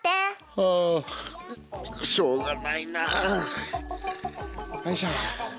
はぁしょうがないな。よいしょ。